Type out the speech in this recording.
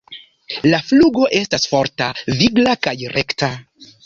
La flugo estas forta, vigla kaj rekta.